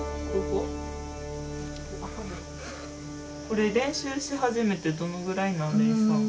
これ練習し始めてどのぐらいなん？